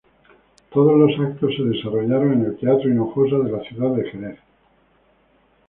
Todos los eventos se desarrollaron en el Teatro Hinojosa de la ciudad de Jerez.